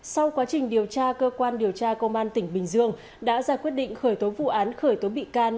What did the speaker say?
sau quá trình điều tra cơ quan điều tra công an tỉnh bình dương đã ra quyết định khởi tố vụ án khởi tố bị can